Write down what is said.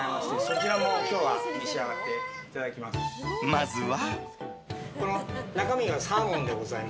まずは。